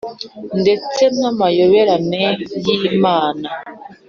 ndetse n'amayoberane y'Imana.